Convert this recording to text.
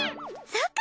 そっか！